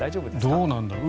どうなんだろう。